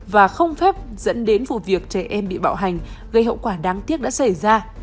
và không phép dẫn đến vụ việc trẻ em bị bạo hành gây hậu quả đáng tiếc đã xảy ra